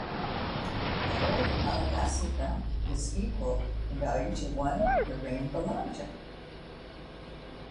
The old Malagasy franc is equal in value to one iraimbilanja.